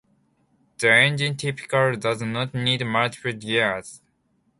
The engine typically does not need multiple gears.